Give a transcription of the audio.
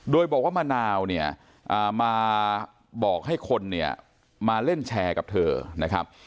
โดยบอกว่ามะนาวเนี่ยมาบอกให้คนเนี่ยมาเล่นแชร์กับเธอนะครับ